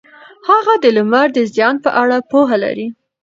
هغه د لمر د زیان په اړه پوهه لري.